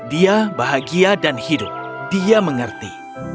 dia bahagia dan hidup dia mengerti